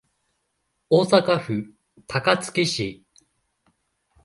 大阪府高槻市